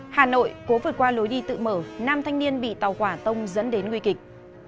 hà nội cố vượt qua lối đi tự mở nam thanh niên bị tàu hỏa tông dẫn đến nguy kịch